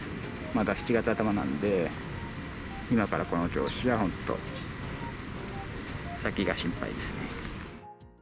まだ７月頭なんで、今からこの調子じゃ、本当、先が心配ですね。